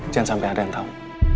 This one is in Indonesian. jangan sampai ada yang tahu